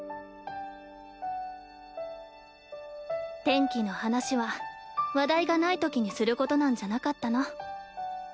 天気の話は話題がないときにすることなんじゃなかったの？